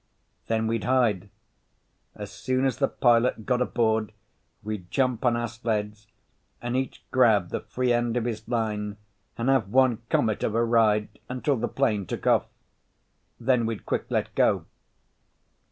Then we'd hide. As soon as the pilot got aboard we'd jump on our sleds and each grab the free end of his line and have one comet of a ride, until the plane took off. Then we'd quick let go.